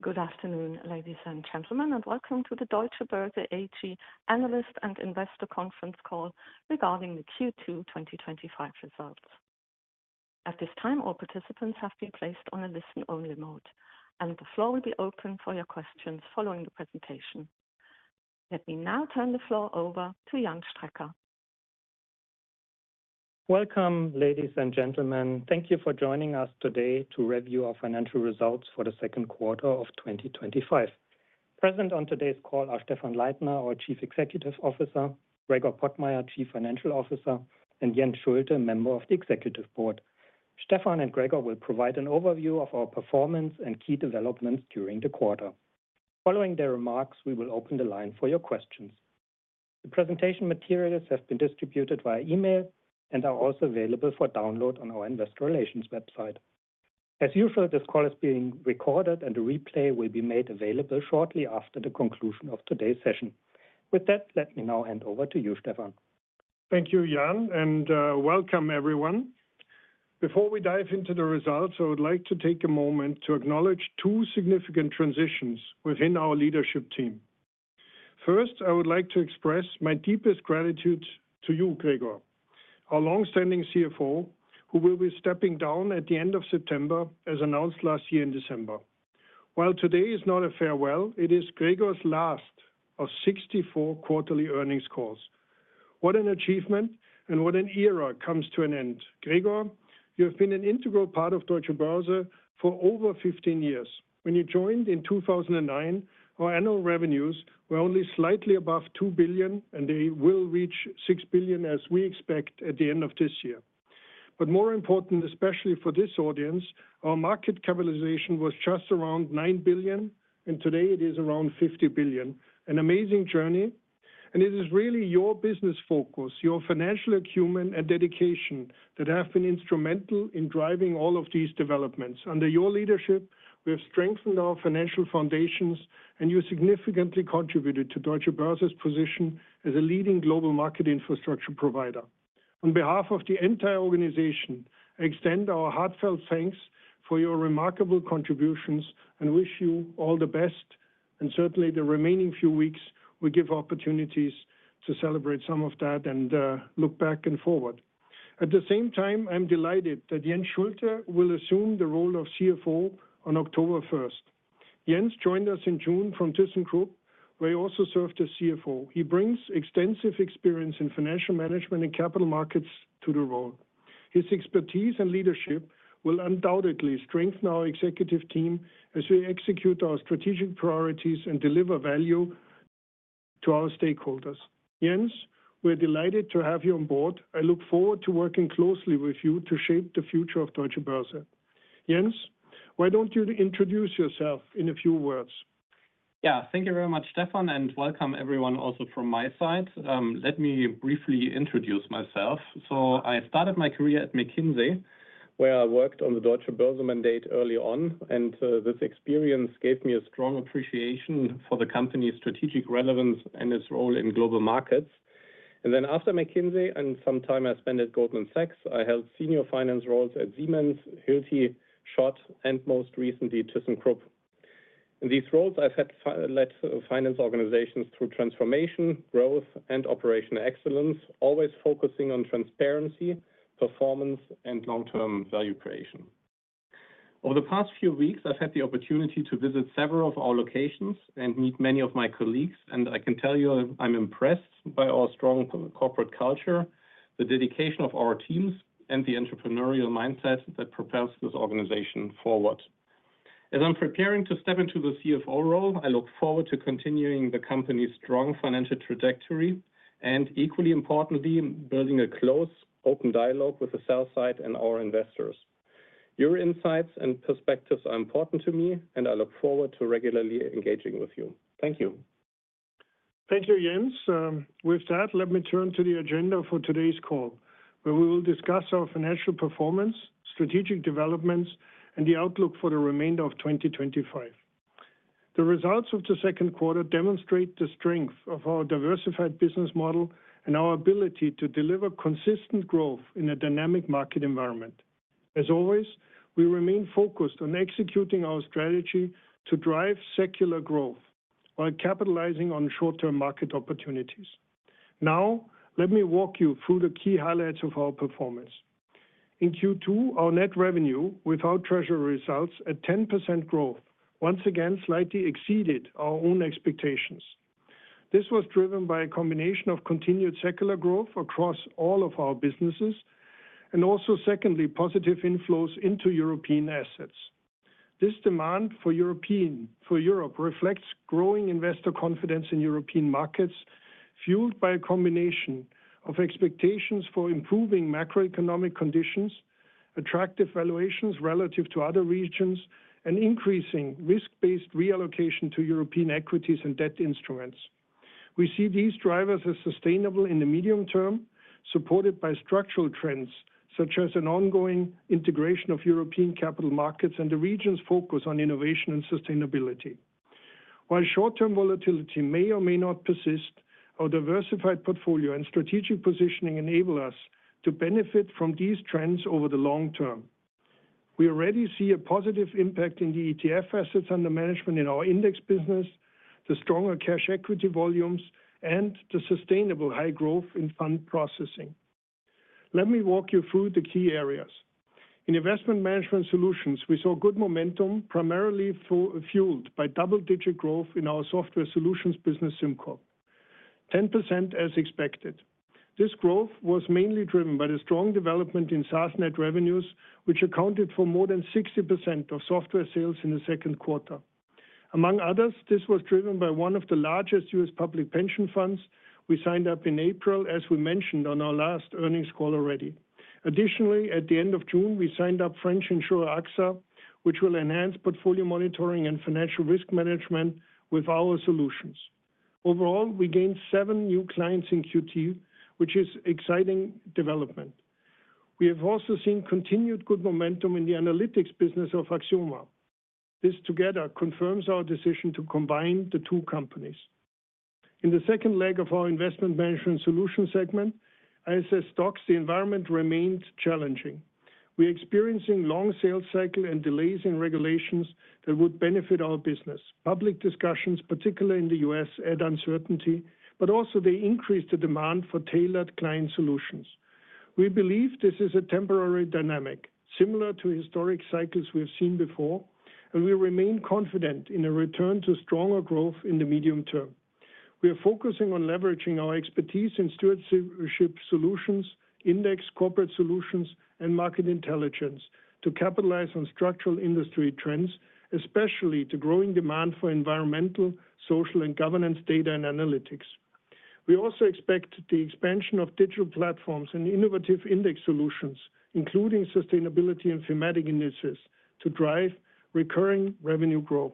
Good afternoon, ladies and gentlemen, and welcome to the Deutsche Börse AG Analyst and Investor Conference Call regarding the Q2 2025 results. At this time, all participants have been placed on a listen-only mode, and the floor will be open for your questions following the presentation. Let me now turn the floor over to Jan Strecker. Welcome, ladies and gentlemen. Thank you for joining us today to review our financial results for the second quarter of 2025. Present on today's call are Stephan Leithner, our Chief Executive Officer; Gregor Pottmeyer, Chief Financial Officer; and Jens Schulte, Member of the Executive Board. Stephan and Gregor will provide an overview of our performance and key developments during the quarter. Following their remarks, we will open the line for your questions. The presentation materials have been distributed via email and are also available for download on our investor relations website. As usual, this call is being recorded, and a replay will be made available shortly after the conclusion of today's session. With that, let me now hand over to you, Stephan. Thank you, Jan, and welcome, everyone. Before we dive into the results, I would like to take a moment to acknowledge two significant transitions within our leadership team. First, I would like to express my deepest gratitude to you, Gregor, our longstanding CFO, who will be stepping down at the end of September, as announced last year in December. While today is not a farewell, it is Gregor's last of 64 quarterly earnings calls. What an achievement, and what an era comes to an end. Gregor, you have been an integral part of Deutsche Börse for over 15 years. When you joined in 2009, our annual revenues were only slightly above 2 billion, and they will reach 6 billion, as we expect, at the end of this year. More important, especially for this audience, our market capitalization was just around 9 billion, and today it is around 50 billion. An amazing journey, and it is really your business focus, your financial acumen, and dedication that have been instrumental in driving all of these developments. Under your leadership, we have strengthened our financial foundations, and you significantly contributed to Deutsche Börse's position as a leading global market infrastructure provider. On behalf of the entire organization, I extend our heartfelt thanks for your remarkable contributions and wish you all the best. Certainly, the remaining few weeks will give opportunities to celebrate some of that and look back and forward. At the same time, I'm delighted that Jens Schulte will assume the role of CFO on October 1st. Jens joined us in June from ThyssenKrupp, where he also served as CFO. He brings extensive experience in financial management and capital markets to the role. His expertise and leadership will undoubtedly strengthen our executive team as we execute our strategic priorities and deliver value to our stakeholders. Jens, we're delighted to have you on board. I look forward to working closely with you to shape the future of Deutsche Börse. Jens, why don't you introduce yourself in a few words? Yeah, thank you very much, Stephan, and welcome everyone also from my side. Let me briefly introduce myself. I started my career at McKinsey, where I worked on the Deutsche Börse mandate early on, and this experience gave me a strong appreciation for the company's strategic relevance and its role in global markets. After McKinsey, and some time I spent at Goldman Sachs, I held senior finance roles at Siemens, Hilti, SCHOTT, and most recently ThyssenKrupp. In these roles, I've led finance organizations through transformation, growth, and operational excellence, always focusing on transparency, performance, and long-term value creation. Over the past few weeks, I've had the opportunity to visit several of our locations and meet many of my colleagues, and I can tell you I'm impressed by our strong corporate culture, the dedication of our teams, and the entrepreneurial mindset that propels this organization forward. As I'm preparing to step into the CFO role, I look forward to continuing the company's strong financial trajectory and, equally importantly, building a close, open dialogue with the sell side and our investors. Your insights and perspectives are important to me, and I look forward to regularly engaging with you. Thank you. Thank you, Jens. With that, let me turn to the agenda for today's call, where we will discuss our financial performance, strategic developments, and the outlook for the remainder of 2025. The results of the second quarter demonstrate the strength of our diversified business model and our ability to deliver consistent growth in a dynamic market environment. As always, we remain focused on executing our strategy to drive secular growth while capitalizing on short-term market opportunities. Now, let me walk you through the key highlights of our performance. In Q2, our net revenue, without treasury results, at 10% growth, once again slightly exceeded our own expectations. This was driven by a combination of continued secular growth across all of our businesses and also, secondly, positive inflows into European assets. This demand for Europe reflects growing investor confidence in European markets, fueled by a combination of expectations for improving macroeconomic conditions, attractive valuations relative to other regions, and increasing risk-based reallocation to European equities and debt instruments. We see these drivers as sustainable in the medium term, supported by structural trends such as an ongoing integration of European capital markets and the region's focus on innovation and sustainability. While short-term volatility may or may not persist, our diversified portfolio and strategic positioning enable us to benefit from these trends over the long term. We already see a positive impact in the ETF assets under management in our index business, the stronger cash equity volumes, and the sustainable high growth in fund processing. Let me walk you through the key areas. In investment management solutions, we saw good momentum, primarily fueled by double-digit growth in our software solutions business, SimCorp. 10% as expected. This growth was mainly driven by the strong development in SaaS net revenues, which accounted for more than 60% of software sales in the second quarter. Among others, this was driven by one of the largest U.S. public pension funds we signed up in April, as we mentioned on our last earnings call already. Additionally, at the end of June, we signed up French insurer AXA, which will enhance portfolio monitoring and financial risk management with our solutions. Overall, we gained seven new clients in Q2, which is exciting development. We have also seen continued good momentum in the analytics business of Axioma. This together confirms our decision to combine the two companies. In the second leg of our investment management solution segment, ISS STOXX, the environment remained challenging. We are experiencing long sales cycles and delays in regulations that would benefit our business. Public discussions, particularly in the U.S., add uncertainty, but also they increase the demand for tailored client solutions. We believe this is a temporary dynamic, similar to historic cycles we've seen before, and we remain confident in a return to stronger growth in the medium term. We are focusing on leveraging our expertise in stewardship solutions, index corporate solutions, and market intelligence to capitalize on structural industry trends, especially the growing demand for environmental, social, and governance data and analytics. We also expect the expansion of digital platforms and innovative index solutions, including sustainability and thematic indices, to drive recurring revenue growth.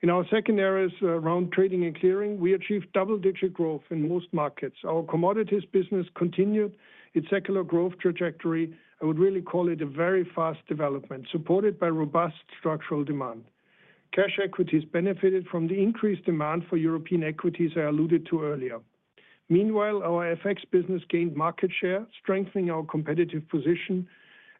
In our second areas around trading and clearing, we achieved double-digit growth in most markets. Our commodities business continued its secular growth trajectory. I would really call it a very fast development, supported by robust structural demand. Cash equities benefited from the increased demand for European equities I alluded to earlier. Meanwhile, our FX business gained market share, strengthening our competitive position.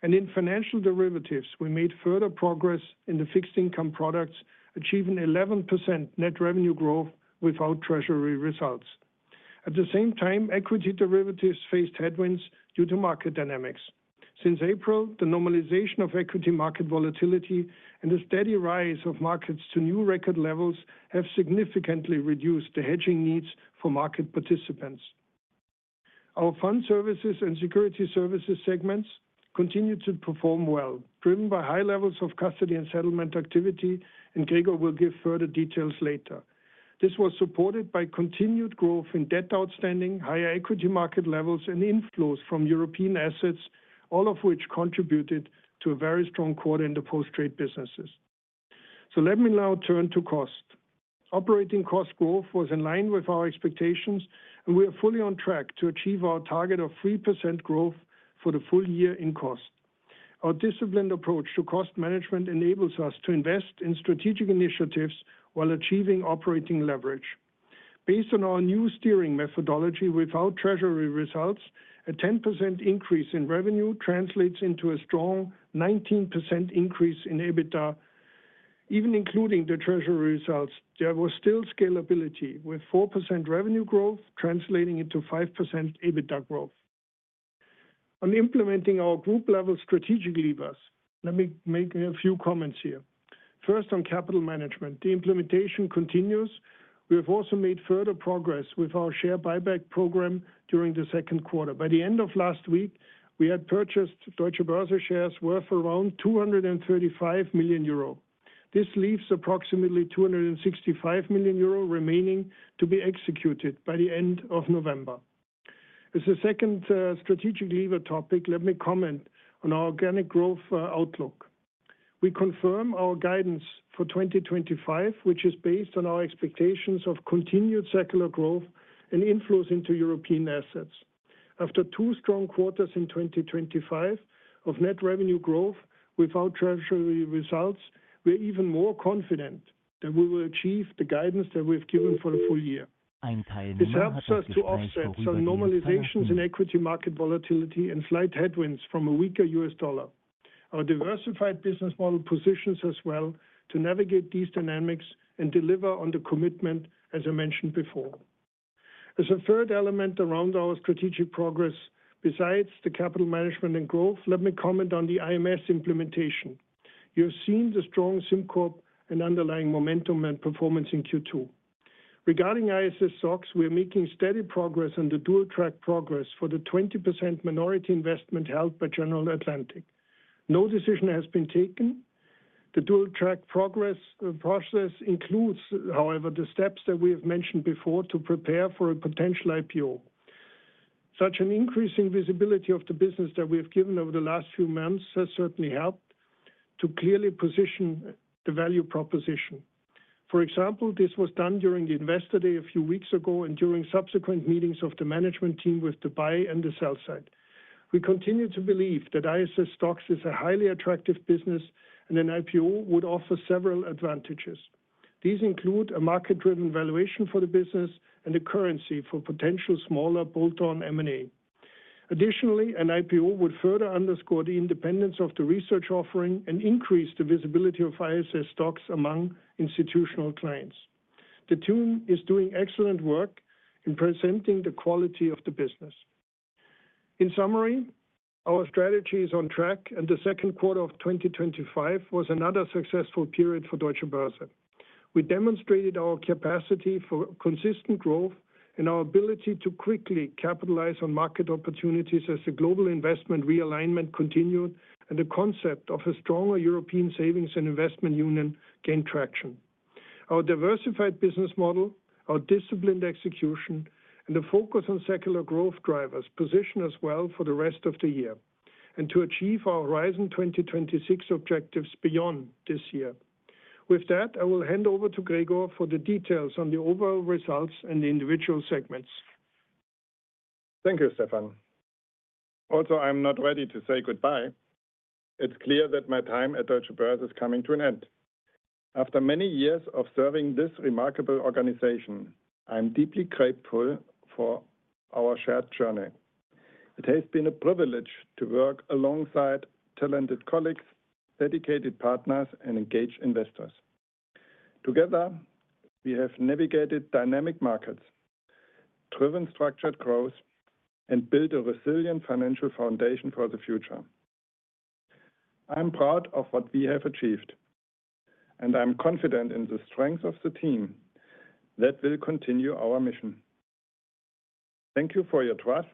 In financial derivatives, we made further progress in the fixed income products, achieving 11% net revenue growth without treasury results. At the same time, equity derivatives faced headwinds due to market dynamics. Since April, the normalization of equity market volatility and the steady rise of markets to new record levels have significantly reduced the hedging needs for market participants. Our fund services and security services segments continue to perform well, driven by high levels of custody and settlement activity, and Gregor will give further details later. This was supported by continued growth in debt outstanding, higher equity market levels, and inflows from European assets, all of which contributed to a very strong quarter in the post-trade businesses. Let me now turn to cost. Operating cost growth was in line with our expectations, and we are fully on track to achieve our target of 3% growth for the full year in cost. Our disciplined approach to cost management enables us to invest in strategic initiatives while achieving operating leverage. Based on our new steering methodology without treasury results, a 10% increase in revenue translates into a strong 19% increase in EBITDA. Even including the treasury results, there was still scalability, with 4% revenue growth translating into 5% EBITDA growth. On implementing our group-level strategic levers, let me make a few comments here. First, on capital management, the implementation continues. We have also made further progress with our share buyback program during the second quarter. By the end of last week, we had purchased Deutsche Börse shares worth around 235 million euro. This leaves approximately 265 million euro remaining to be executed by the end of November. As the second strategic lever topic, let me comment on our organic growth outlook. We confirm our guidance for 2025, which is based on our expectations of continued secular growth and inflows into European assets. After two strong quarters in 2025 of net revenue growth without treasury results, we are even more confident that we will achieve the guidance that we have given for the full year. This helps us to offset some normalizations in equity market volatility and slight headwinds from a weaker U.S. dollar. Our diversified business model positions us well to navigate these dynamics and deliver on the commitment, as I mentioned before. As a third element around our strategic progress, besides the capital management and growth, let me comment on the IMS implementation. You have seen the strong SimCorp and underlying momentum and performance in Q2. Regarding ISS STOXX, we are making steady progress on the dual-track process for the 20% minority investment held by General Atlantic. No decision has been taken. The dual-track process includes, however, the steps that we have mentioned before to prepare for a potential IPO. Such an increase in visibility of the business that we have given over the last few months has certainly helped to clearly position the value proposition. For example, this was done during the Investor Day a few weeks ago and during subsequent meetings of the management team with the buy and the sell side. We continue to believe that ISS STOXX is a highly attractive business, and an IPO would offer several advantages. These include a market-driven valuation for the business and a currency for potential smaller bolt-on M&A. Additionally, an IPO would further underscore the independence of the research offering and increase the visibility of ISS STOXX among institutional clients. The team is doing excellent work in presenting the quality of the business. In summary, our strategy is on track, and the second quarter of 2025 was another successful period for Deutsche Börse. We demonstrated our capacity for consistent growth and our ability to quickly capitalize on market opportunities as the global investment realignment continued and the concept of a stronger European savings and investment union gained traction. Our diversified business model, our disciplined execution, and the focus on secular growth drivers position us well for the rest of the year and to achieve our Horizon 2026 objectives beyond this year. With that, I will hand over to Gregor for the details on the overall results and the individual segments. Thank you, Stephan. Also, I'm not ready to say goodbye. It's clear that my time at Deutsche Börse is coming to an end. After many years of serving this remarkable organization, I'm deeply grateful for our shared journey. It has been a privilege to work alongside talented colleagues, dedicated partners, and engaged investors. Together, we have navigated dynamic markets, driven structured growth, and built a resilient financial foundation for the future. I'm proud of what we have achieved, and I'm confident in the strength of the team that will continue our mission. Thank you for your trust,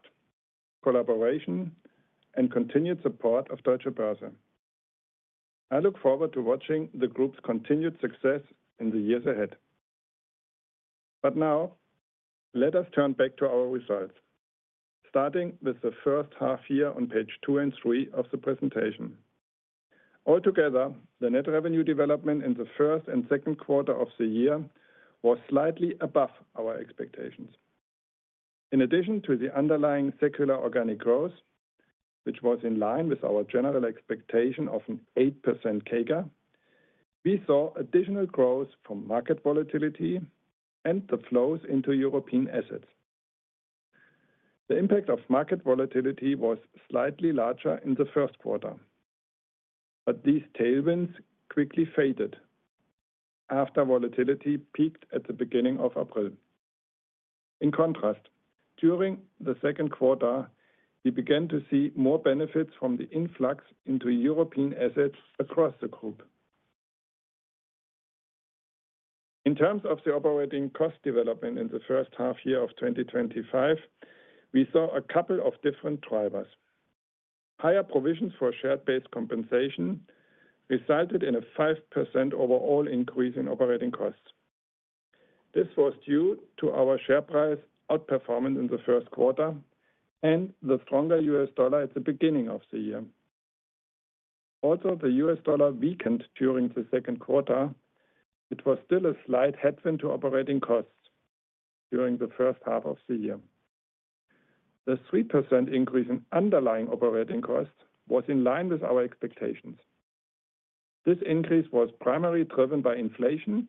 collaboration, and continued support of Deutsche Börse. I look forward to watching the group's continued success in the years ahead. But now, let us turn back to our results, starting with the first half year on page two and three of the presentation. Altogether, the net revenue development in the first and second quarter of the year was slightly above our expectations. In addition to the underlying secular organic growth, which was in line with our general expectation of an 8% CAGR, we saw additional growth from market volatility and the flows into European assets. The impact of market volatility was slightly larger in the first quarter, but these tailwinds quickly faded after volatility peaked at the beginning of April. In contrast, during the second quarter, we began to see more benefits from the influx into European assets across the group. In terms of the operating cost development in the first half year of 2025, we saw a couple of different drivers. Higher provisions for share-based compensation resulted in a 5% overall increase in operating costs. This was due to our share price outperformance in the first quarter and the stronger U.S. dollar at the beginning of the year. Although the U.S. dollar weakened during the second quarter, it was still a slight headwind to operating costs during the first half of the year. The 3% increase in underlying operating costs was in line with our expectations. This increase was primarily driven by inflation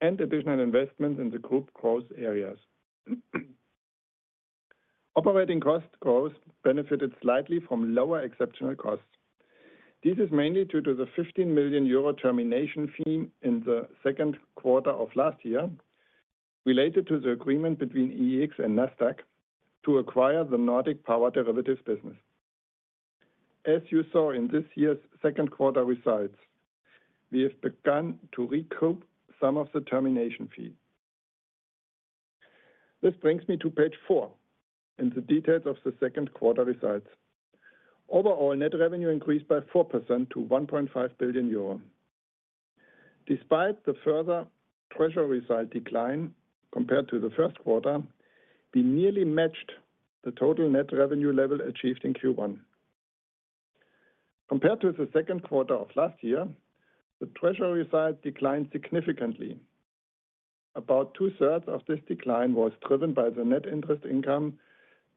and additional investments in the group growth areas. Operating cost growth benefited slightly from lower exceptional costs. This is mainly due to the 15 million euro termination fee in the second quarter of last year, related to the agreement between EEX and Nasdaq to acquire the Nordic power derivatives business. As you saw in this year's second quarter results, we have begun to recoup some of the termination fee. This brings me to page four and the details of the second quarter results. Overall, net revenue increased by 4% to 1.5 billion euro. Despite the further treasury side decline compared to the first quarter, we nearly matched the total net revenue level achieved in Q1. Compared to the second quarter of last year, the treasury side declined significantly. About two-thirds of this decline was driven by the net interest income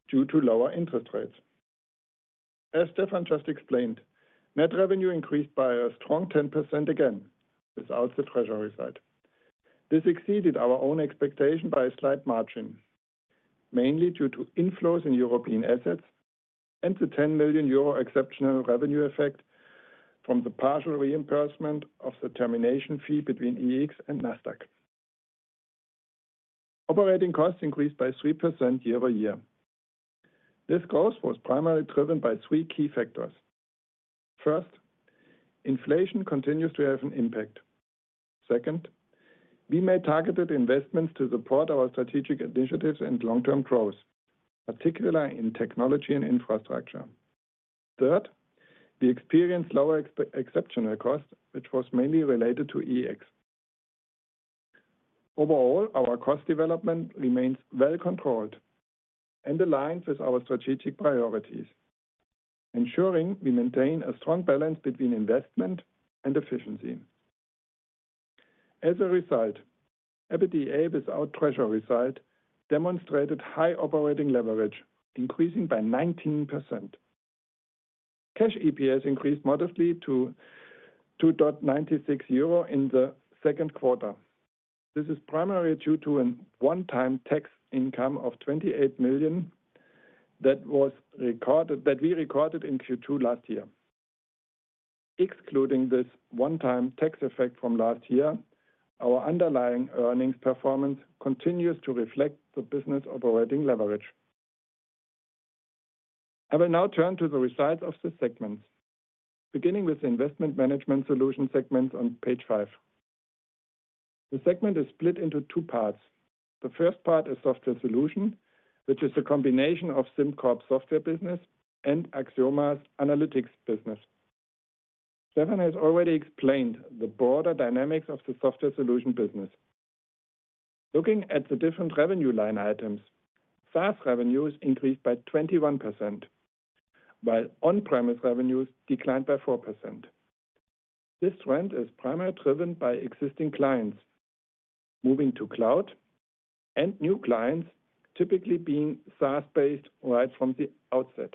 due to lower interest rates. As Stephan just explained, net revenue increased by a strong 10% again without the treasury side. This exceeded our own expectation by a slight margin, mainly due to inflows in European assets and the 10 million euro exceptional revenue effect from the partial reimbursement of the termination fee between EEX and Nasdaq. Operating costs increased by 3% year-over-year. This growth was primarily driven by three key factors. First, inflation continues to have an impact. Second, we made targeted investments to support our strategic initiatives and long-term growth, particularly in technology and infrastructure. Third, we experienced lower exceptional costs, which was mainly related to EEX. Overall, our cost development remains well controlled and aligned with our strategic priorities, ensuring we maintain a strong balance between investment and efficiency. As a result, EBITDA without treasury side demonstrated high operating leverage, increasing by 19%. Cash EPS increased modestly to 2.96 euro in the second quarter. This is primarily due to a one-time tax income of 28 million that we recorded in Q2 last year. Excluding this one-time tax effect from last year, our underlying earnings performance continues to reflect the business operating leverage. I will now turn to the results of the segments, beginning with the Investment Management Solutions segment on page five. The segment is split into two parts. The first part is Software Solutions, which is a combination of SimCorp software business and Axioma's analytics business. Stephan has already explained the broader dynamics of the Software Solutions business. Looking at the different revenue line items, SaaS revenues increased by 21%, while on-premise revenues declined by 4%. This trend is primarily driven by existing clients moving to cloud, and new clients typically being SaaS-based right from the outset.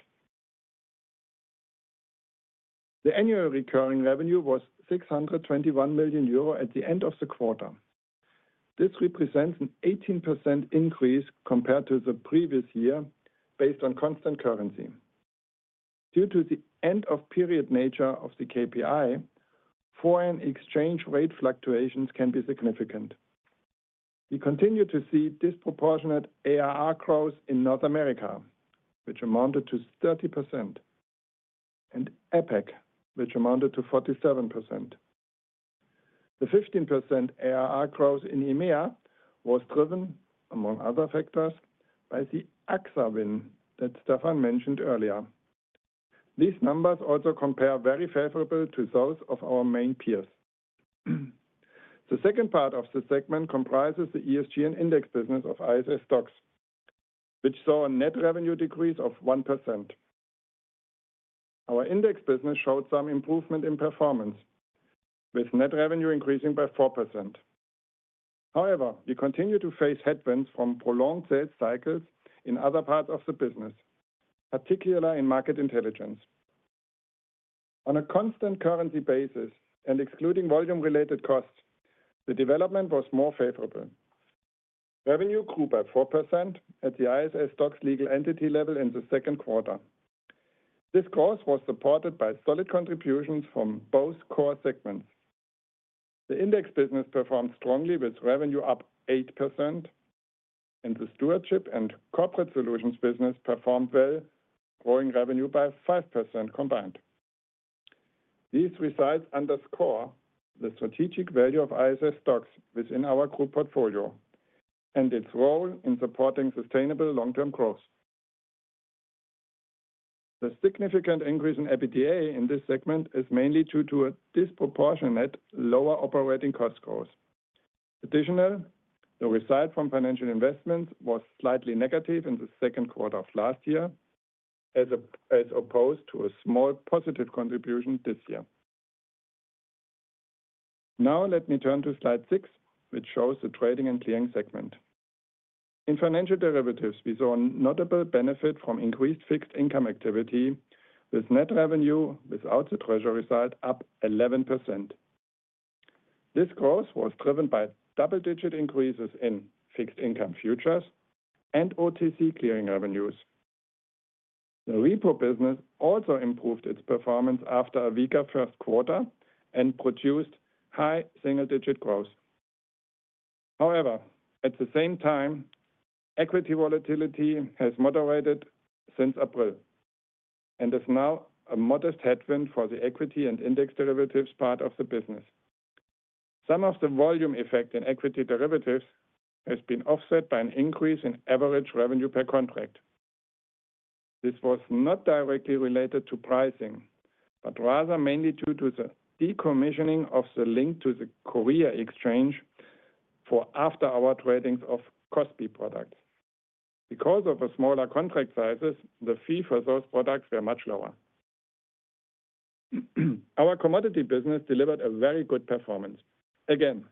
The annual recurring revenue was 621 million euro at the end of the quarter. This represents an 18% increase compared to the previous year based on constant currency. Due to the end-of-period nature of the KPI, foreign exchange rate fluctuations can be significant. We continue to see disproportionate ARR growth in North America, which amounted to 30%, and APEC, which amounted to 47%. The 15% ARR growth in EMEA was driven, among other factors, by the AXA win that Stephan mentioned earlier. These numbers also compare very favorably to those of our main peers. The second part of the segment comprises the ESG and index business of ISS STOXX, which saw a net revenue decrease of 1%. Our index business showed some improvement in performance, with net revenue increasing by 4%. However, we continue to face headwinds from prolonged sales cycles in other parts of the business, particularly in market intelligence. On a constant currency basis and excluding volume-related costs, the development was more favorable. Revenue grew by 4% at the ISS STOXX legal entity level in the second quarter. This growth was supported by solid contributions from both core segments. The index business performed strongly, with revenue up 8%. The stewardship and corporate solutions business performed well, growing revenue by 5% combined. These results underscore the strategic value of ISS STOXX within our group portfolio and its role in supporting sustainable long-term growth. The significant increase in EBITDA in this segment is mainly due to a disproportionate lower operating cost growth. Additionally, the result from financial investments was slightly negative in the second quarter of last year, as opposed to a small positive contribution this year. Now, let me turn to slide six, which shows the trading and clearing segment. In financial derivatives, we saw a notable benefit from increased fixed income activity, with net revenue without the treasury side up 11%. This growth was driven by double-digit increases in fixed income futures and OTC clearing revenues. The repo business also improved its performance after a weaker first quarter and produced high single-digit growth. However, at the same time, equity volatility has moderated since April and is now a modest headwind for the equity and index derivatives part of the business. Some of the volume effect in equity derivatives has been offset by an increase in average revenue per contract. This was not directly related to pricing, but rather mainly due to the decommissioning of the link to the Korea exchange for after-hours trading of KOSPI products. Because of the smaller contract sizes, the fee for those products was much lower. Our commodity business delivered a very good performance, again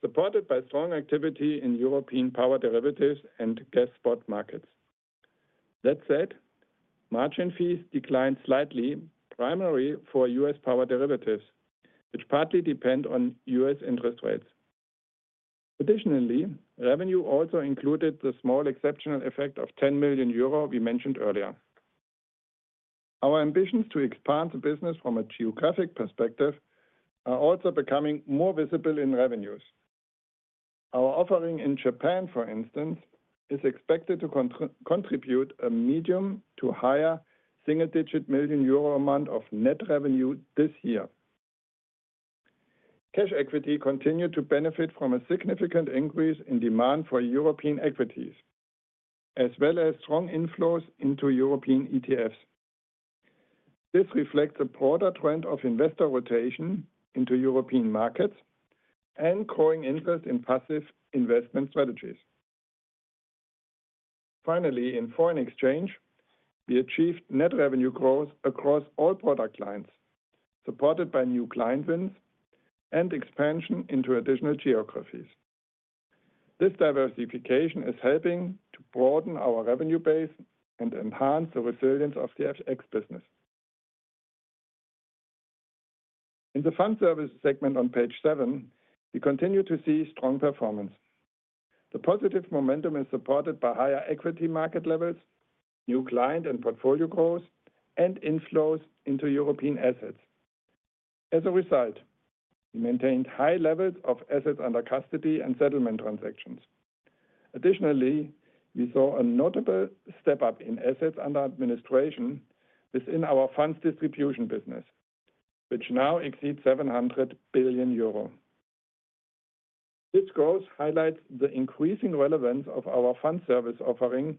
supported by strong activity in European power derivatives and gas spot markets. That said, margin fees declined slightly, primarily for U.S. power derivatives, which partly depend on U.S. interest rates. Additionally, revenue also included the small exceptional effect of 10 million euro we mentioned earlier. Our ambitions to expand the business from a geographic perspective are also becoming more visible in revenues. Our offering in Japan, for instance, is expected to contribute a medium to higher single-digit million euro amount of net revenue this year. Cash equity continued to benefit from a significant increase in demand for European equities as well as strong inflows into European ETFs. This reflects a broader trend of investor rotation into European markets and growing interest in passive investment strategies. Finally, in foreign exchange, we achieved net revenue growth across all product lines, supported by new client wins and expansion into additional geographies. This diversification is helping to broaden our revenue base and enhance the resilience of the FX business. In the fund services segment on page seven, we continue to see strong performance. The positive momentum is supported by higher equity market levels, new client and portfolio growth, and inflows into European assets. As a result, we maintained high levels of assets under custody and settlement transactions. Additionally, we saw a notable step up in assets under administration within our funds distribution business, which now exceeds 700 billion euro. This growth highlights the increasing relevance of our fund service offering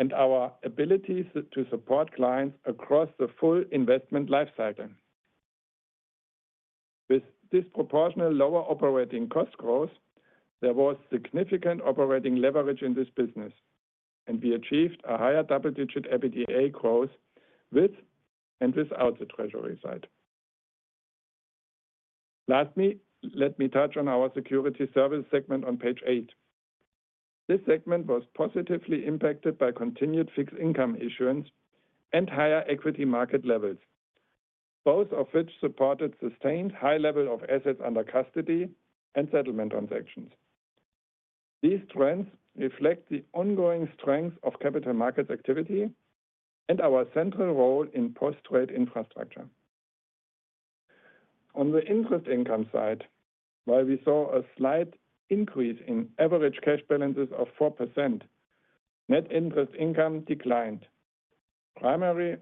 and our ability to support clients across the full investment lifecycle. With disproportionate lower operating cost growth, there was significant operating leverage in this business. We achieved a higher double-digit EBITDA growth with and without the treasury side. Lastly, let me touch on our security service segment on page eight. This segment was positively impacted by continued fixed income issuance and higher equity market levels, both of which supported sustained high levels of assets under custody and settlement transactions. These trends reflect the ongoing strength of capital markets activity and our central role in post-trade infrastructure. On the interest income side, while we saw a slight increase in average cash balances of 4%, net interest income declined, primarily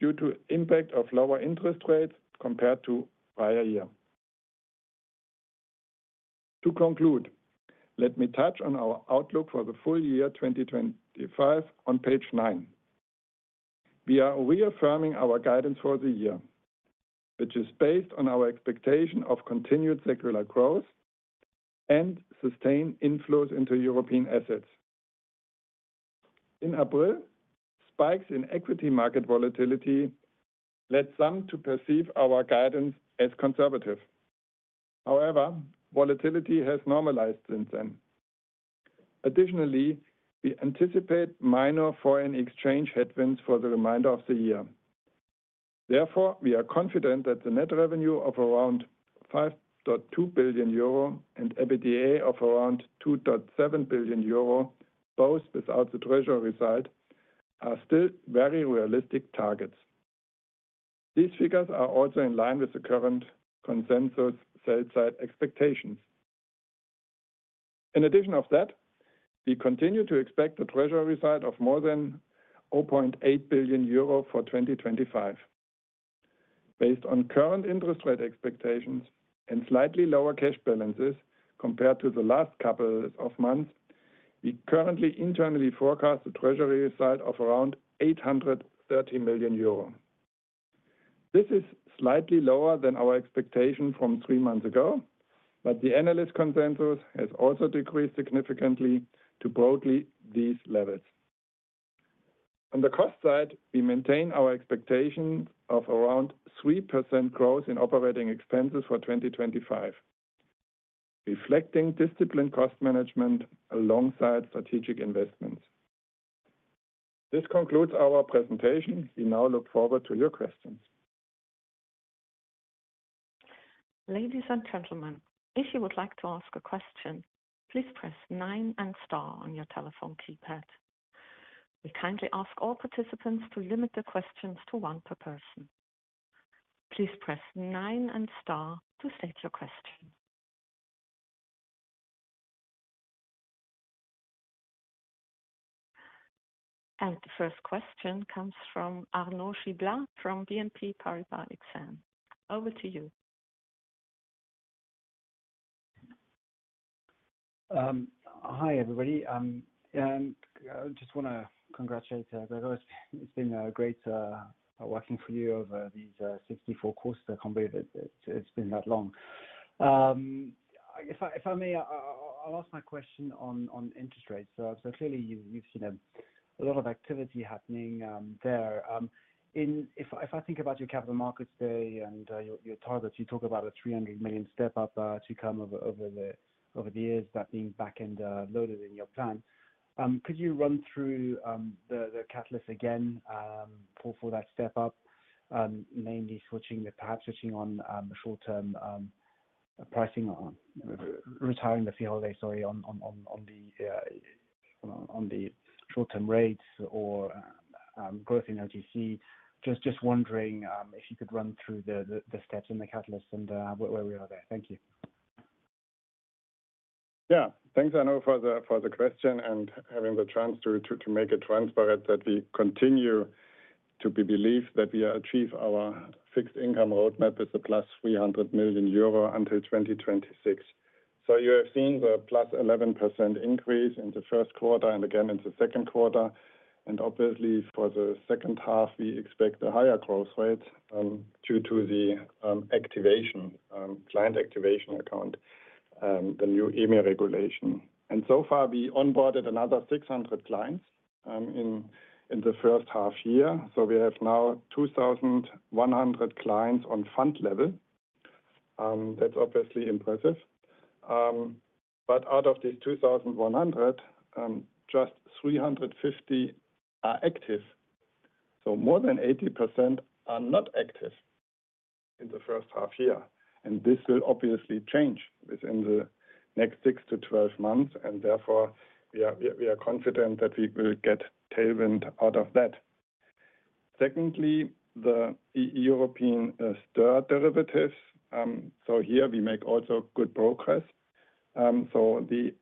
due to the impact of lower interest rates compared to the prior year. To conclude, let me touch on our outlook for the full year 2025 on page nine. We are reaffirming our guidance for the year, which is based on our expectation of continued secular growth and sustained inflows into European assets. In April, spikes in equity market volatility led some to perceive our guidance as conservative. However, volatility has normalized since then. Additionally, we anticipate minor foreign exchange headwinds for the remainder of the year. Therefore, we are confident that the net revenue of around 5.2 billion euro and EBITDA of around 2.7 billion euro, both without the treasury side, are still very realistic targets. These figures are also in line with the current consensus sales side expectations. In addition to that, we continue to expect the treasury side of more than 0.8 billion euro for 2025. Based on current interest rate expectations and slightly lower cash balances compared to the last couple of months, we currently internally forecast the treasury side of around 830 million euro. This is slightly lower than our expectation from three months ago, but the analyst consensus has also decreased significantly to broadly these levels. On the cost side, we maintain our expectation of around 3% growth in operating expenses for 2025, reflecting disciplined cost management alongside strategic investments. This concludes our presentation. We now look forward to your questions. Ladies and gentlemen, if you would like to ask a question, please press nine and star on your telephone keypad. We kindly ask all participants to limit the questions to one per person. Please press nine and star to state your question. The first question comes from Arnaud Maurice Andre Giblat from BNP Paribas Exane. Over to you. Hi everybody. I just want to congratulate Gregor. It's been great working for you over these 64 courses, it's been that long. If I may, I'll ask my question on interest rates. Clearly, you've seen a lot of activity happening there. If I think about your capital markets today and your target, you talk about a 300 million step up to come over the years, that being back and loaded in your plan. Could you run through the catalyst again for that step up, mainly switching, perhaps switching on short-term pricing. Retiring the fee holiday, sorry, on the short-term rates or growth in OTC. Just wondering if you could run through the steps and the catalysts and where we are there. Thank you. Yeah, thanks Arnaud for the question and having the chance to make it transparent that we continue to believe that we achieve our fixed income roadmap with the plus 300 million euro until 2026. You have seen the plus 11% increase in the first quarter and again in the second quarter. Obviously, for the second half, we expect a higher growth rate due to the client activation account, the new EMEA regulation. So far, we onboarded another 600 clients in the first half year. We have now 2,100 clients on fund level. That's obviously impressive. Out of these 2,100, just 350 are active, so more than 80% are not active in the first half year. This will obviously change within the next 6-12 months. Therefore, we are confident that we will get tailwind out of that. Secondly, the European €STR derivatives. Here, we make also good progress. The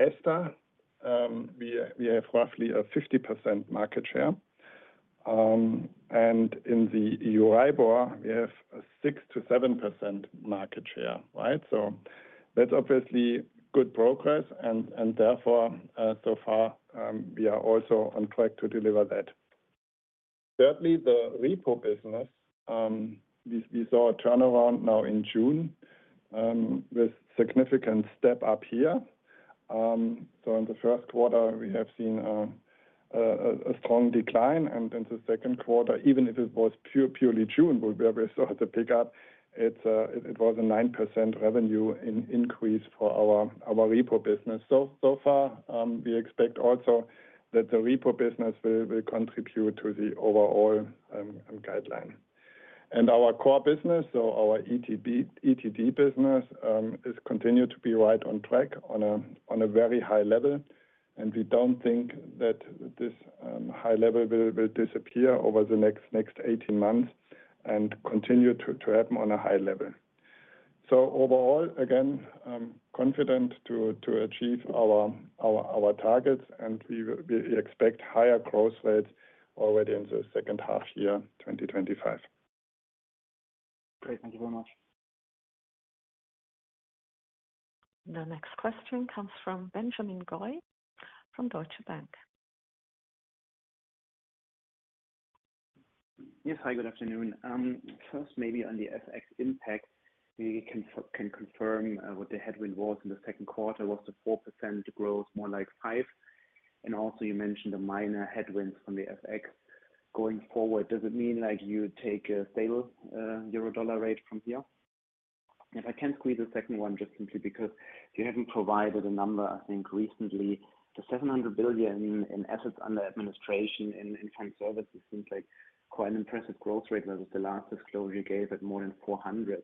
€STR, we have roughly a 50% market share. In the Euribor, we have a 6-7% market share. That's obviously good progress. Therefore, so far, we are also on track to deliver that. Thirdly, the repo business. We saw a turnaround now in June with a significant step up here. In the first quarter, we have seen a strong decline. In the second quarter, even if it was purely June where we saw the pickup, it was a 9% revenue increase for our repo business. So far, we expect also that the repo business will contribute to the overall guideline. Our core business, so our ETD business, is continued to be right on track on a very high level. We don't think that this high level will disappear over the next 18 months and continue to happen on a high level. Overall, again, confident to achieve our targets. We expect higher growth rates already in the second half year, 2025. Great. Thank you very much. The next question comes from Benjamin Goy from Deutsche Bank. Yes, hi, good afternoon. First, maybe on the FX impact, we can confirm what the headwind was in the second quarter. Was the 4% growth more like 5? Also, you mentioned the minor headwinds from the FX going forward. Does it mean you take a stale euro dollar rate from here? If I can squeeze the second one, just simply because you haven't provided a number, I think recently, the 700 billion in assets under administration in fund services seems like quite an impressive growth rate. That was the last disclosure you gave at more than 400 billion.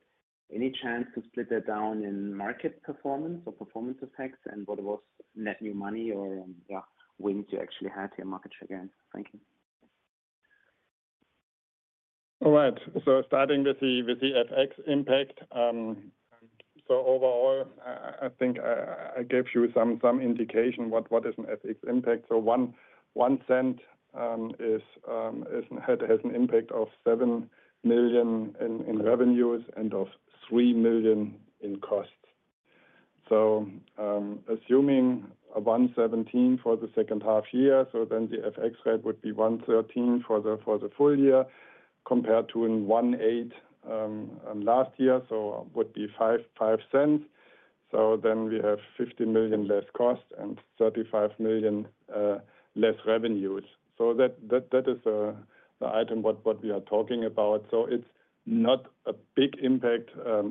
Any chance to split that down in market performance or performance effects and what was net new money or wins you actually had here in market share gains? Thank you. All right. Starting with the FX impact. Overall, I think I gave you some indication of what is an FX impact. 0.01 has an impact of 7 million in revenues and of 3 million in costs. Assuming 1.17 for the second half year, then the FX rate would be 1.13 for the full year compared to 1.18 last year, so it would be 0.05. We have 50 million less cost and 35 million less revenues. That is the item we are talking about. It is not a big impact,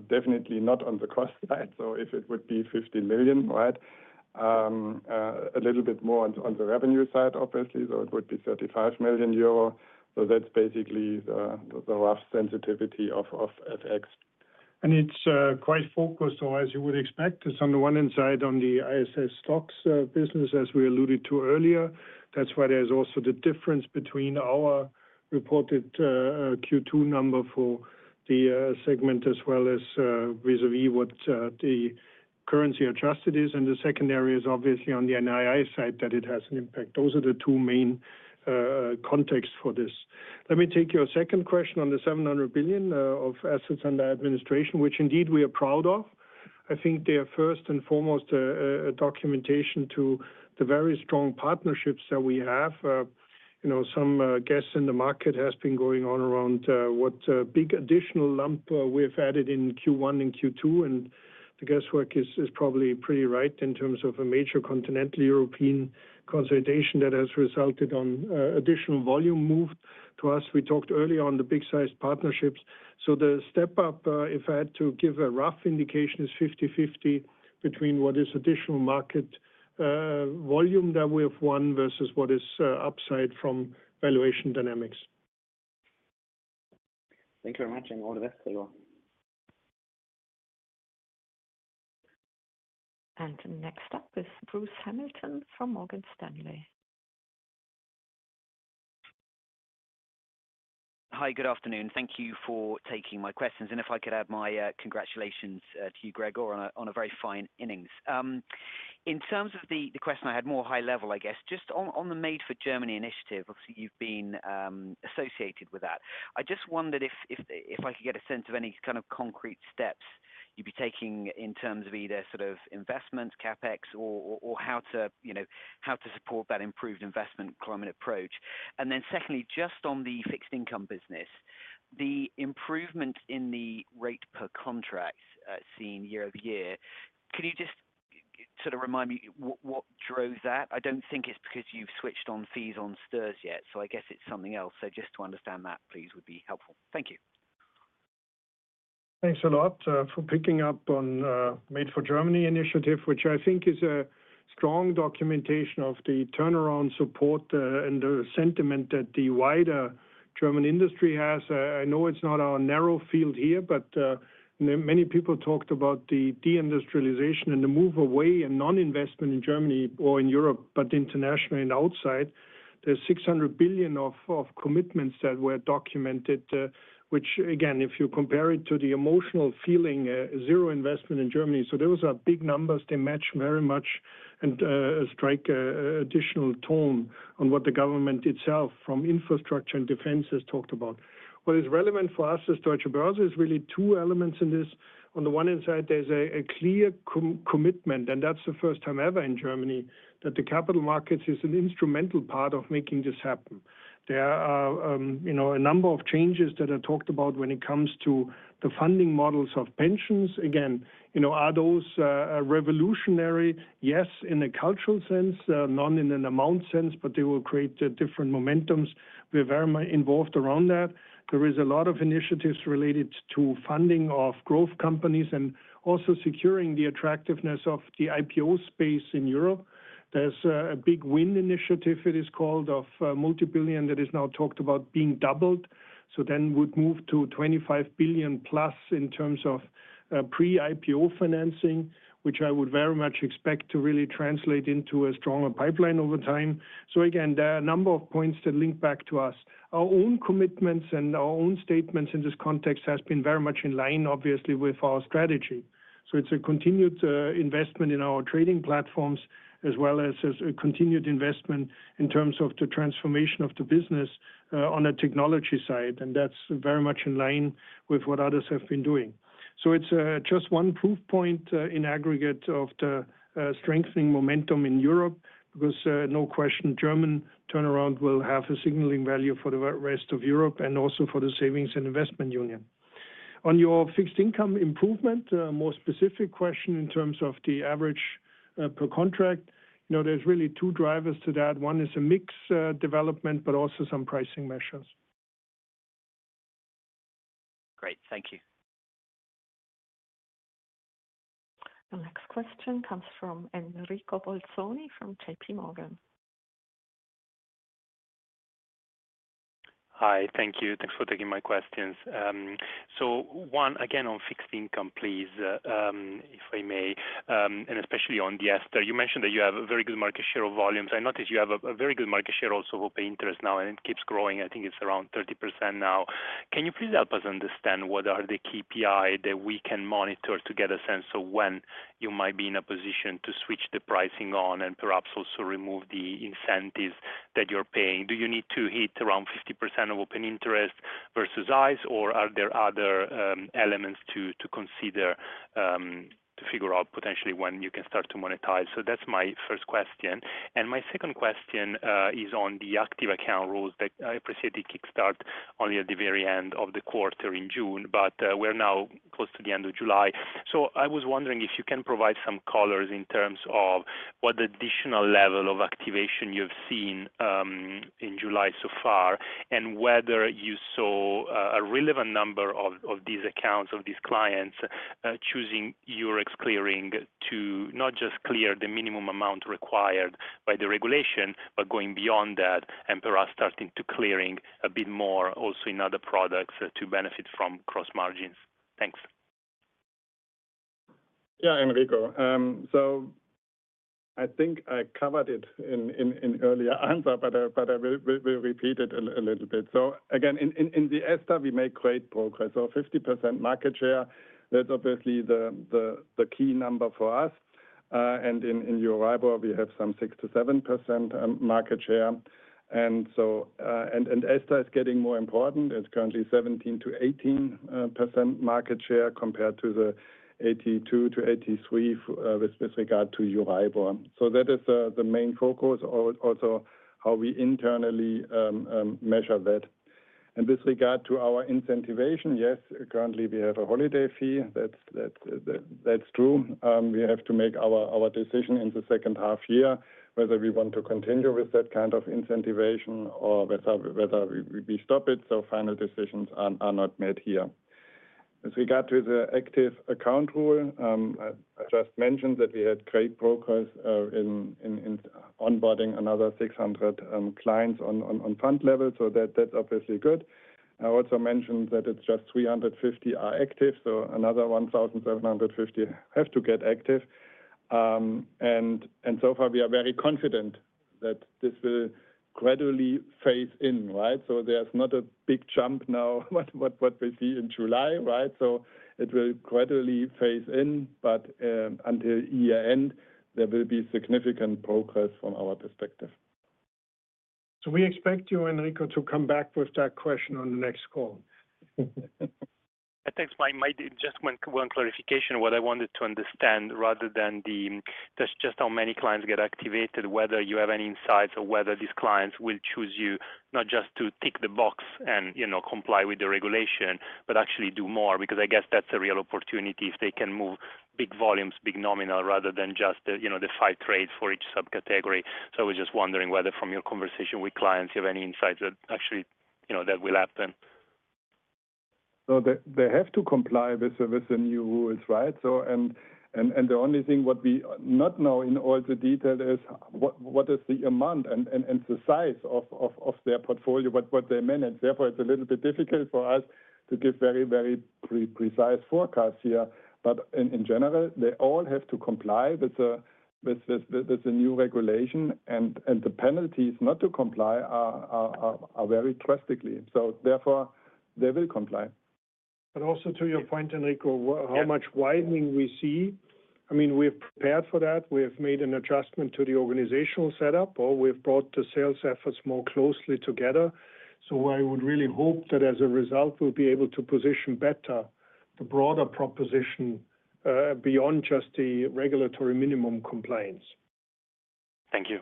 definitely not on the cost side. If it would be 50 million, right, a little bit more on the revenue side, obviously, so it would be 35 million euro. That is basically the rough sensitivity of FX. It is quite focused, as you would expect. It is on the one hand side on the ISS STOXX business, as we alluded to earlier. That is why there is also the difference between our reported Q2 number for the segment as well as vis-à-vis what the currency adjusted is. The secondary is obviously on the NII side that it has an impact. Those are the two main contexts for this. Let me take your second question on the 700 billion of assets under administration, which indeed we are proud of. I think they are first and foremost a documentation to the very strong partnerships that we have. Some guess in the market has been going on around what big additional lump we have added in Q1 and Q2. The guesswork is probably pretty right in terms of a major continental European consolidation that has resulted in additional volume moved to us. We talked earlier on the big-sized partnerships. The step up, if I had to give a rough indication, is 50/50 between what is additional market volume that we have won versus what is upside from valuation dynamics. Thank you very much and all the best to you all. Next up is Bruce Hamilton from Morgan Stanley. Hi, good afternoon. Thank you for taking my questions. If I could add my congratulations to you, Gregor, on a very fine innings. In terms of the question I had, more high level, just on the Made for Germany initiative, obviously you have been associated with that. I just wondered if I could get a sense of any kind of concrete steps you would be taking in terms of either sort of investments, CapEx, or how to support that improved investment climate approach. Secondly, just on the fixed income business, the improvement in the rate per contract seen year over year, could you just remind me what drove that? I don't think it's because you've switched on fees on €STRs yet, so I guess it's something else. Just to understand that, please, would be helpful. Thank you. Thanks a lot for picking up on the Made for Germany initiative, which I think is a strong documentation of the turnaround support and the sentiment that the wider German industry has. I know it's not our narrow field here, but many people talked about the deindustrialization and the move away and non-investment in Germany or in Europe, but internationally and outside. There's 600 billion of commitments that were documented, which, again, if you compare it to the emotional feeling, zero investment in Germany. Those are big numbers. They match very much and strike an additional tone on what the government itself, from infrastructure and defense, has talked about. What is relevant for us as Deutsche Börse is really two elements in this. On the one hand side, there's a clear commitment, and that's the first time ever in Germany that the capital markets is an instrumental part of making this happen. There are a number of changes that are talked about when it comes to the funding models of pensions. Again, are those revolutionary? Yes, in a cultural sense, not in an amount sense, but they will create different momentums. We're very involved around that. There is a lot of initiatives related to funding of growth companies and also securing the attractiveness of the IPO space in Europe. There's a big win initiative, it is called, of multibillion that is now talked about being doubled. Then we'd move to 25 billion+ in terms of pre-IPO financing, which I would very much expect to really translate into a stronger pipeline over time. Again, there are a number of points that link back to us. Our own commitments and our own statements in this context have been very much in line, obviously, with our strategy. It's a continued investment in our trading platforms as well as a continued investment in terms of the transformation of the business on a technology side. That's very much in line with what others have been doing. It's just one proof point in aggregate of the strengthening momentum in Europe because no question German turnaround will have a signaling value for the rest of Europe and also for the savings and investment union. On your fixed income improvement, a more specific question in terms of the average per contract, there's really two drivers to that. One is a mixed development, but also some pricing measures. Great. Thank you. The next question comes from Enrico Bolzoni from JPMorgan. Hi, thank you. Thanks for taking my questions. One, again, on fixed income, please, if I may, and especially on the €STR. You mentioned that you have a very good market share of volumes. I noticed you have a very good market share also for pay interest now, and it keeps growing. I think it's around 30% now. Can you please help us understand what are the KPIs that we can monitor to get a sense of when you might be in a position to switch the pricing on and perhaps also remove the incentives that you're paying? Do you need to hit around 50% of open interest versus ICE, or are there other elements to consider to figure out potentially when you can start to monetize? That's my first question. My second question is on the active account rules that I appreciate the kickstart only at the very end of the quarter in June, but we're now close to the end of July. I was wondering if you can provide some colors in terms of what the additional level of activation you've seen in July so far and whether you saw a relevant number of these accounts, of these clients, choosing Eurex clearing to not just clear the minimum amount required by the regulation, but going beyond that and perhaps starting to clear a bit more also in other products to benefit from cross margins. Thanks. Yeah, Enrico. I think I covered it in an earlier answer, but I will repeat it a little bit. Again, in the €STR, we make great progress. So 50% market share, that's obviously the key number for us. In Euribor, we have some 6-7% market share. €STR is getting more important. It's currently 17-18% market share compared to the 82-83% with regard to Euribor. That is the main focus, also how we internally measure that. With regard to our incentivation, yes, currently we have a holiday fee. That's true. We have to make our decision in the second half year whether we want to continue with that kind of incentivation or whether we stop it. Final decisions are not made here. With regard to the active account rule, I just mentioned that we had great progress in onboarding another 600 clients on fund level. That's obviously good. I also mentioned that it's just 350 are active, so another 1,750 have to get active. So far, we are very confident that this will gradually phase in, right? There's not a big jump now. What we see in July, right? It will gradually phase in, but until year-end, there will be significant progress from our perspective. We expect you, Enrico, to come back with that question on the next call. That's just one clarification of what I wanted to understand rather than just how many clients get activated, whether you have any insights or whether these clients will choose you, not just to tick the box and comply with the regulation, but actually do more. Because I guess that's a real opportunity if they can move big volumes, big nominal, rather than just the five trades for each subcategory. I was just wondering whether from your conversation with clients, you have any insights that actually will happen. They have to comply with the new rules, right? The only thing we do not know in all the detail is what is the amount and the size of their portfolio, what they manage. Therefore, it's a little bit difficult for us to give very, very precise forecasts here. In general, they all have to comply with the new regulation, and the penalties not to comply are very drastic. Therefore, they will comply. Also to your point, Enrico, how much widening we see. I mean, we've prepared for that. We have made an adjustment to the organizational setup, or we've brought the sales efforts more closely together. I would really hope that as a result, we'll be able to position better the broader proposition beyond just the regulatory minimum compliance. Thank you.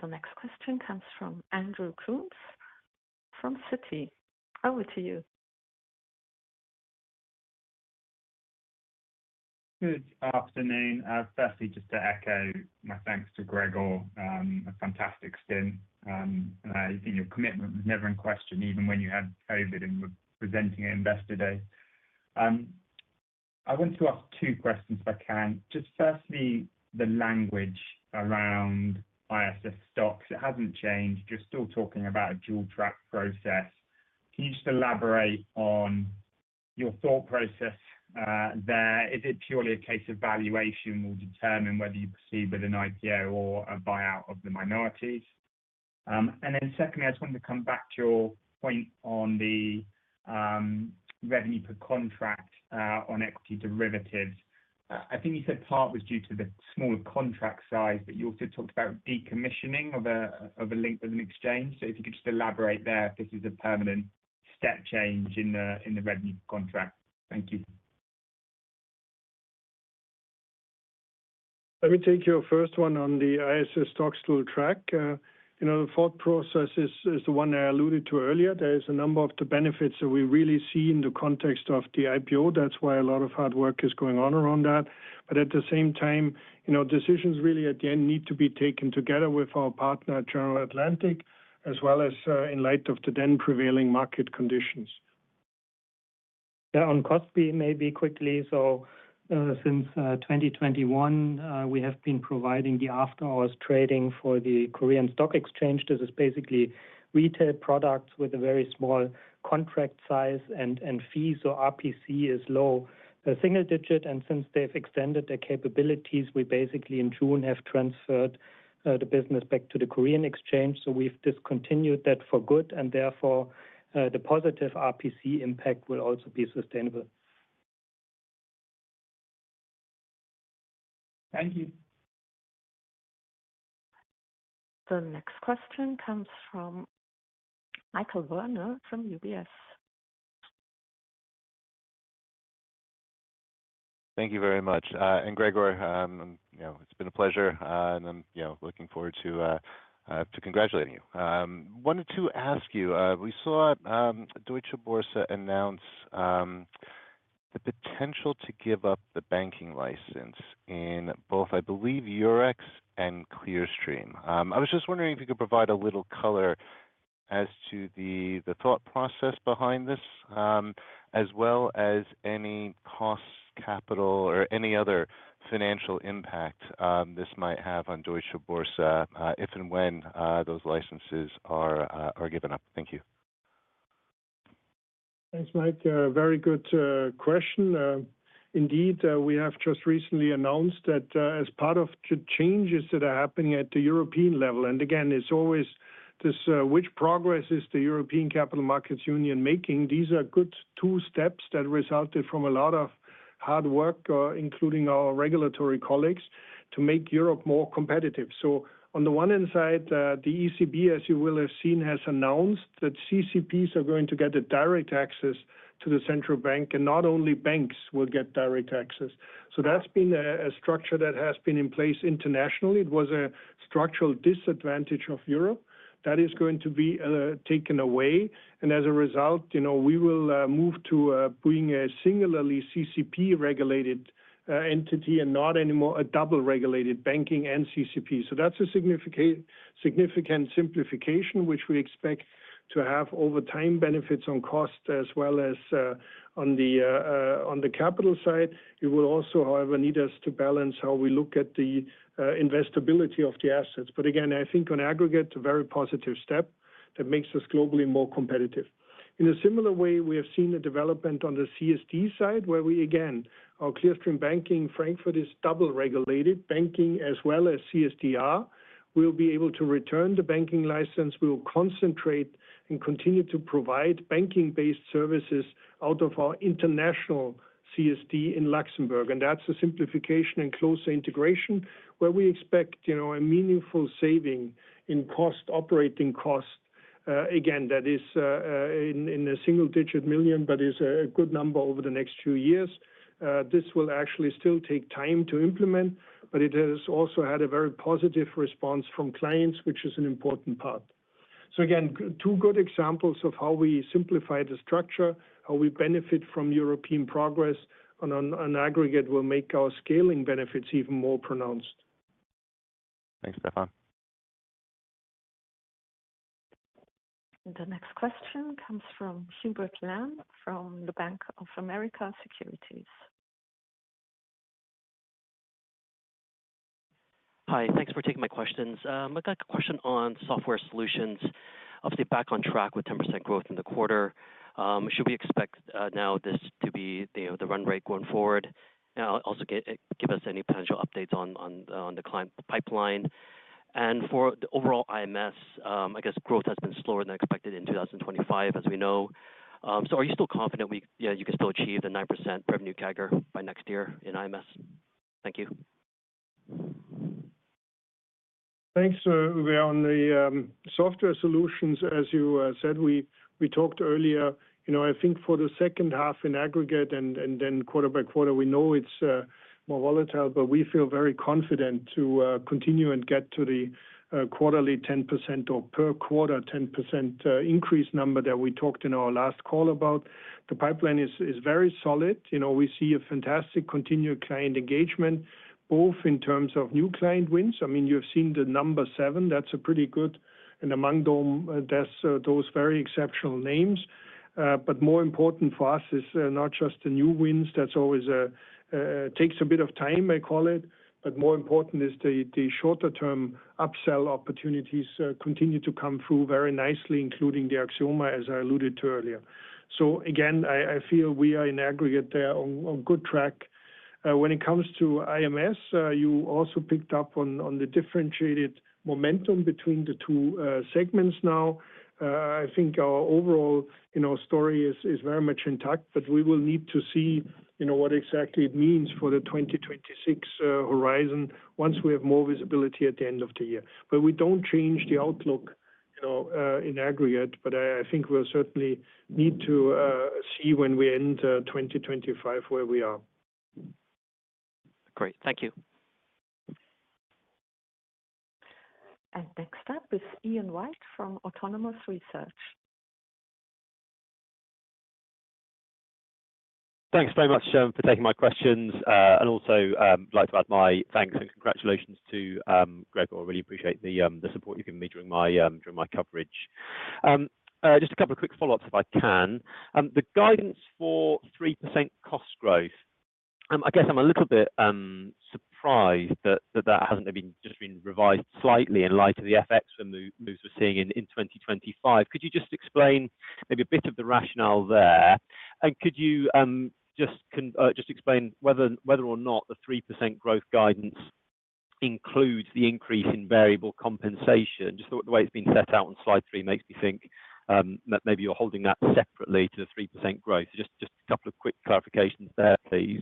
The next question comes from Andrew Koontz from Citi. Over to you. Good afternoon. Just to echo my thanks to Gregor. A fantastic stint. I think your commitment was never in question, even when you had COVID and were presenting at Investor Day. I want to ask two questions if I can. Firstly, the language around ISS STOXX, it hasn't changed. You're still talking about a dual-track process. Can you just elaborate on your thought process there? Is it purely a case of valuation will determine whether you proceed with an IPO or a buyout of the minorities? Secondly, I just wanted to come back to your point on the revenue per contract on equity derivatives. I think you said part was due to the smaller contract size, but you also talked about decommissioning of a link with an exchange. If you could just elaborate there if this is a permanent step change in the revenue contract. Thank you. Let me take your first one on the ISS STOXX dual-track. The thought process is the one I alluded to earlier. There is a number of the benefits that we really see in the context of the IPO. That's why a lot of hard work is going on around that. At the same time, decisions really at the end need to be taken together with our partner, General Atlantic, as well as in light of the then prevailing market conditions. Yeah, on cost maybe quickly. Since 2021, we have been providing the after-hours trading for the Korean Stock Exchange. This is basically retail products with a very small contract size and fee. RPC is low, single digit. Since they've extended their capabilities, we basically in June have transferred the business back to the Korean exchange. We've discontinued that for good. Therefore, the positive RPC impact will also be sustainable. Thank you. The next question comes from Michael Werner from UBS. Thank you very much. Gregor, it's been a pleasure. I'm looking forward to congratulating you. Wanted to ask you, we saw Deutsche Börse announce the potential to give up the banking license in both, I believe, Eurex and Clearstream. I was just wondering if you could provide a little color as to the thought process behind this, as well as any cost, capital, or any other financial impact this might have on Deutsche Börse, if and when those licenses are given up. Thank you. Thanks, Mike. Very good question. Indeed, we have just recently announced that as part of the changes that are happening at the European level, and again, it's always this, which progress is the European Capital Markets Union making? These are good two steps that resulted from a lot of hard work, including our regulatory colleagues, to make Europe more competitive. On the one hand side, the ECB, as you will have seen, has announced that CCPs are going to get direct access to the central bank, and not only banks will get direct access. That's been a structure that has been in place internationally. It was a structural disadvantage of Europe. That is going to be taken away. As a result, we will move to being a singularly CCP-regulated entity and not anymore a double-regulated banking and CCP. That's a significant simplification, which we expect to have over time benefits on cost as well as on the capital side. You will also, however, need us to balance how we look at the investability of the assets. Again, I think on aggregate, a very positive step that makes us globally more competitive. In a similar way, we have seen a development on the CSD side, where we, again, our Clearstream banking, Frankfurt is double-regulated, banking as well as CSDR. We'll be able to return the banking license. We will concentrate and continue to provide banking-based services out of our international CSD in Luxembourg. That's a simplification and closer integration, where we expect a meaningful saving in cost, operating cost. Again, that is in a single-digit million, but is a good number over the next few years. This will actually still take time to implement, but it has also had a very positive response from clients, which is an important part. Again, two good examples of how we simplify the structure, how we benefit from European progress on an aggregate will make our scaling benefits even more pronounced. Thanks, Stephan. The next question comes from Hubert Lam fromthe Bank of America Securities. Hi, thanks for taking my questions. I've got a question on software solutions. Obviously, back on track with 10% growth in the quarter. Should we expect now this to be the run rate going forward? Also, give us any potential updates on the client pipeline. For the overall IMS, I guess growth has been slower than expected in 2025, as we know. Are you still confident you can still achieve the 9% revenue CAGR by next year in IMS? Thank you. Thanks. We're on the software solutions, as you said. We talked earlier. I think for the second half in aggregate and then quarter-by-quarter, we know it's more volatile, but we feel very confident to continue and get to the quarterly 10% or per quarter 10% increase number that we talked in our last call about. The pipeline is very solid. We see a fantastic continued client engagement, both in terms of new client wins. I mean, you've seen the number seven. That's a pretty good. Among them, there's those very exceptional names. More important for us is not just the new wins. That always takes a bit of time, I call it. More important is the shorter-term upsell opportunities continue to come through very nicely, including the Axioma, as I alluded to earlier. Again, I feel we are in aggregate there on good track. When it comes to IMS, you also picked up on the differentiated momentum between the two segments now. I think our overall story is very much intact, but we will need to see what exactly it means for the 2026 horizon once we have more visibility at the end of the year. We don't change the outlook. In aggregate, I think we'll certainly need to see when we enter 2025 where we are. Great. Thank you. Next up is Ian White from Autonomous Research. Thanks very much for taking my questions. Also, I'd like to add my thanks and congratulations to Gregor. I really appreciate the support you've given me during my coverage. Just a couple of quick follow-ups, if I can. The guidance for 3% cost growth, I guess I'm a little bit surprised that that hasn't just been revised slightly in light of the FX moves we're seeing in 2025. Could you just explain maybe a bit of the rationale there? Could you just explain whether or not the 3% growth guidance includes the increase in variable compensation? Just the way it's been set out on slide three makes me think that maybe you're holding that separately to the 3% growth. Just a couple of quick clarifications there, please.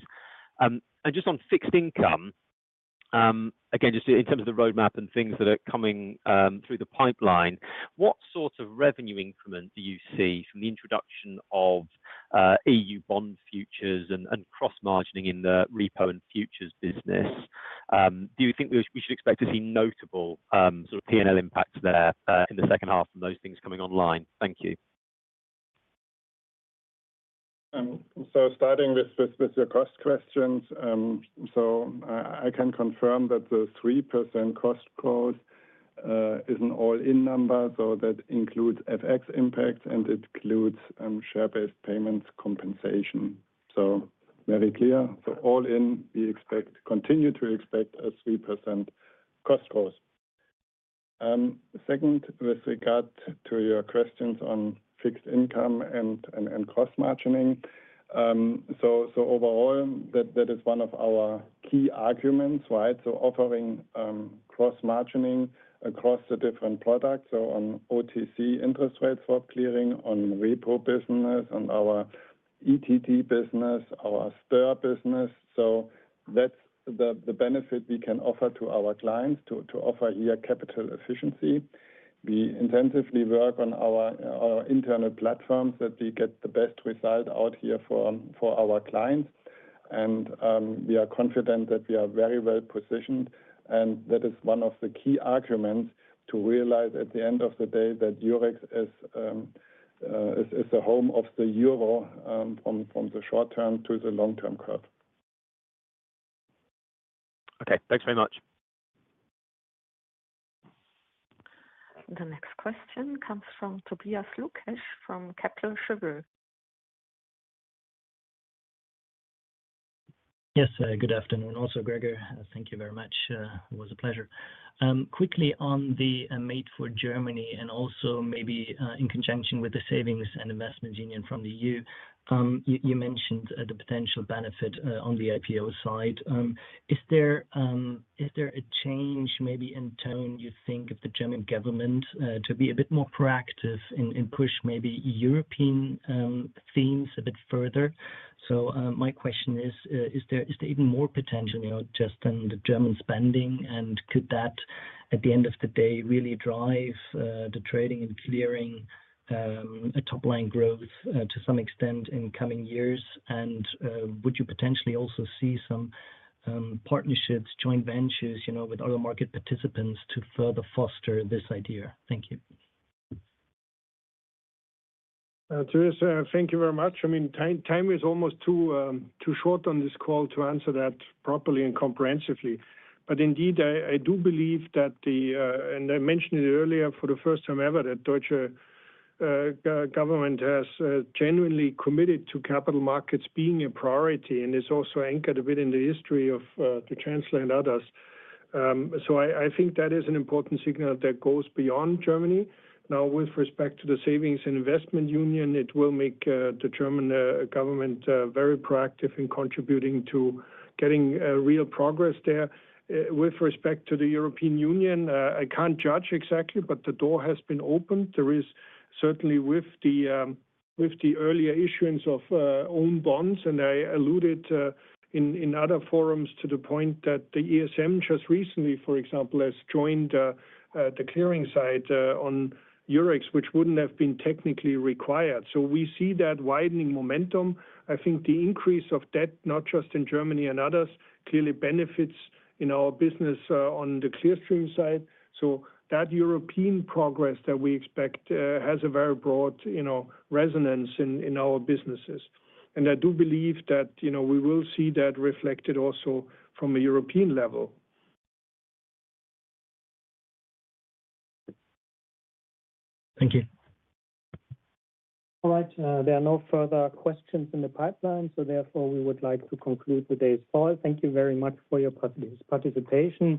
Just on fixed income. Again, just in terms of the roadmap and things that are coming through the pipeline, what sort of revenue increment do you see from the introduction of EU bond futures and cross-margining in the repo and futures business? Do you think we should expect to see notable sort of P&L impacts there in the second half from those things coming online? Thank you. Starting with your cost questions, I can confirm that the 3% cost growth. Is an all-in number, so that includes FX impacts, and it includes share-based payments compensation. Very clear. All-in, we continue to expect a 3% cost growth. Second, with regard to your questions on fixed income and cross-margining. Overall, that is one of our key arguments, right? Offering cross-margining across the different products, on OTC interest rates for clearing, on repo business, on our ETT business, our €STR business. That is the benefit we can offer to our clients to offer here capital efficiency. We intensively work on our internal platforms that we get the best result out here for our clients. We are confident that we are very well positioned. That is one of the key arguments to realize at the end of the day that Eurex is the home of the euro from the short-term to the long-term curve. Okay. Thanks very much. The next question comes from Tobias Lukesch from Kepler Cheuvreux. Yes, good afternoon. Also, Gregor, thank you very much. It was a pleasure. Quickly on the Made for Germany and also maybe in conjunction with the Savings and Investments Union from the EU. You mentioned the potential benefit on the IPO side. Is there a change maybe in tone, you think, of the German government to be a bit more proactive and push maybe European themes a bit further? My question is, is there even more potential just than the German spending? Could that, at the end of the day, really drive the trading and clearing top-line growth to some extent in coming years? Would you potentially also see some partnerships, joint ventures with other market participants to further foster this idea? Thank you. Thank you very much. I mean, time is almost too short on this call to answer that properly and comprehensively. Indeed, I do believe that, and I mentioned it earlier for the first time ever, the German government has genuinely committed to capital markets being a priority and is also anchored a bit in the history of the Chancellor and others. I think that is an important signal that goes beyond Germany. With respect to the Savings and Investment Union, it will make the German government very proactive in contributing to getting real progress there. With respect to the European Union, I cannot judge exactly, but the door has been opened. There is certainly, with the earlier issuance of own bonds, and I alluded in other forums to the point that the ESM just recently, for example, has joined the clearing side on Eurex, which would not have been technically required. We see that widening momentum. I think the increase of debt, not just in Germany and others, clearly benefits our business on the Clearstream side. That European progress that we expect has a very broad resonance in our businesses. I do believe that we will see that reflected also from a European level. Thank you. All right. There are no further questions in the pipeline. Therefore, we would like to conclude today's call. Thank you very much for your participation.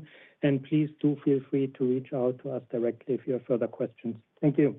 Please do feel free to reach out to us directly if you have further questions. Thank you.